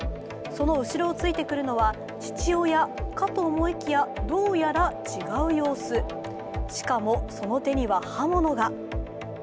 その後ろをついてくるのは父親かと思いきやどうやら違う様子しかもその手には刃物が。